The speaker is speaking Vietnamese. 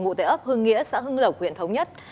ngụ tế ấp hương nghĩa xã hưng lộc huyện thống nhất